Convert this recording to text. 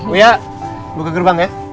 uya buka gerbang ya